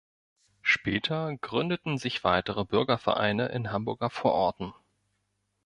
Später gründeten sich weitere Bürgervereine in den Hamburger Vororten.